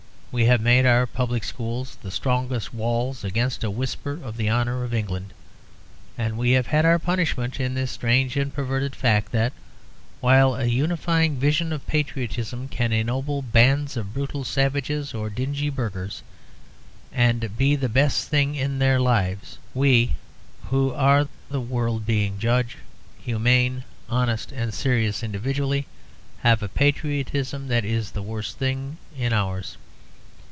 We have made our public schools the strongest walls against a whisper of the honour of England. And we have had our punishment in this strange and perverted fact that, while a unifying vision of patriotism can ennoble bands of brutal savages or dingy burghers, and be the best thing in their lives, we, who are the world being judge humane, honest, and serious individually, have a patriotism that is the worst thing in ours.